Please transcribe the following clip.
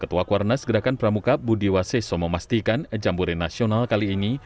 ketua kwarna segerakan pramuka budiwaseso memastikan jambore nasional kali ini